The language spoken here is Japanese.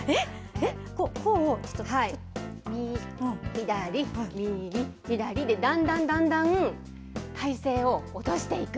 右、左、右、左でだんだんだんだん、体勢を落としていく。